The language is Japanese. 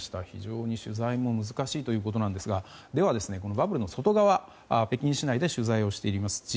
非常に取材も難しいということですがでは、バブルの外側北京市内で取材をしています